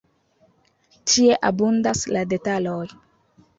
Ĉie abundas la detaloj.